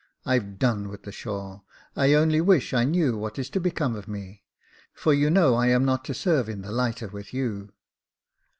I've done with the shore. I only wish I Jacob Faithful 179 knew what is to become of me ; for you know I am not to serve in the lighter with you."